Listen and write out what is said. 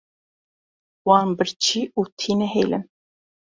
Wan birçî û tî nehêlin.